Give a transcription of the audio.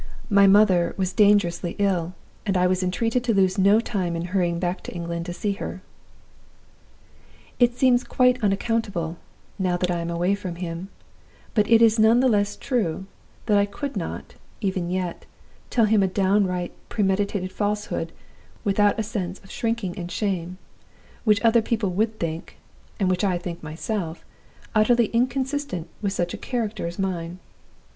My 'mother' was dangerously ill, and I was entreated to lose no time in hurrying back to England to see her. "It seems quite unaccountable now that I am away from him but it is none the less true, that I could not, even yet, tell him a downright premeditated falsehood, without a sense of shrinking and shame, which other people would think, and which I think myself, utterly inconsistent with such a character as mine.